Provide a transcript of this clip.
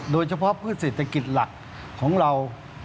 โดยเฉพาะพืชเศรษฐกิจหลักของเรา